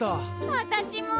わたしも。